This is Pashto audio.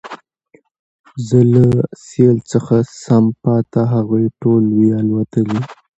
زه له سېل څخه سم پاته هغوی ټول وي الوتلي